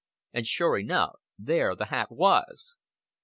And sure enough there the hat was.